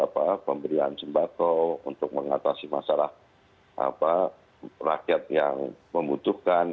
pemberian sembako untuk mengatasi masalah rakyat yang membutuhkan